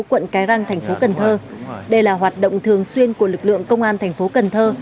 quận cái răng tp cần thơ đây là hoạt động thường xuyên của lực lượng công an tp cần thơ